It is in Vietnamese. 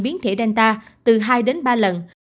biến thể delta từ hai đến ba lần